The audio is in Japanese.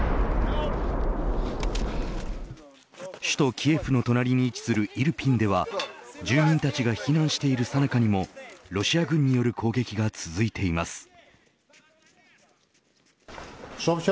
首都キエフの隣に位置するイルピンでは住民たちが避難しているさなかにもロシア軍による攻撃が続いています。